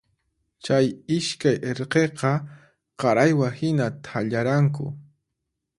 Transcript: Chay iskay irqiqa qaraywa hina thallaranku.